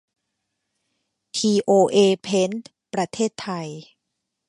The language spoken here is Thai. ทีโอเอ เพ้นท์ ประเทศไทย